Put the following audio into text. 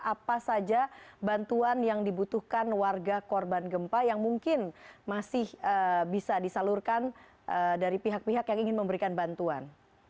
apa saja bantuan yang dibutuhkan warga korban gempa yang mungkin masih bisa disalurkan dari pihak pihak yang ingin memberikan bantuan